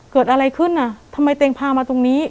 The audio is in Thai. เกิดอะไรขึ้นอ่ะทำไมเต็งพามาตรงนี้